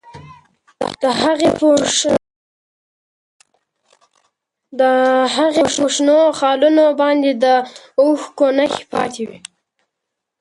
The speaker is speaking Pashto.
د هغې په شنو خالونو باندې د اوښکو نښې پاتې وې.